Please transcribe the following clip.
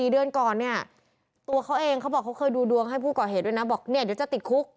เดือนก่อนเนี่ยตัวเขาเองเขาบอกเขาเคยดูดวงให้ผู้ก่อเหตุด้วยนะบอกเนี่ยเดี๋ยวจะติดคุก